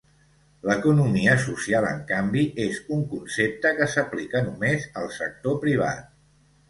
L'economia social en canvi és un concepte que s'aplica només al sector privat.